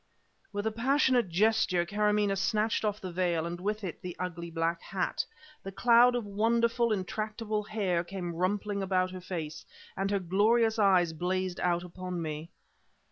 With a passionate gesture Karamaneh snatched off the veil, and with it the ugly black hat. The cloud of wonderful, intractable hair came rumpling about her face, and her glorious eyes blazed out upon me.